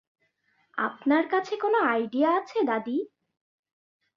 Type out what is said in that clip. আপনার কাছে কোন আইডিয়া আছে দাদী?